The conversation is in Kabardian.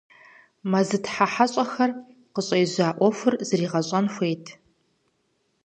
Мэзытхьэ хьэщӀэхэр къыщӀежьа Ӏуэхур зригъэщӀэн хуейт.